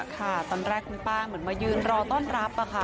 ค่ะตอนแรกคุณป้าเหมือนมายืนรอต้อนรับค่ะ